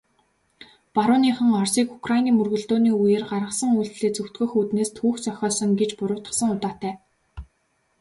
Барууныхан Оросыг Украины мөргөлдөөний үеэр гаргасан үйлдлээ зөвтгөх үүднээс түүх зохиосон гэж буруутгасан удаатай.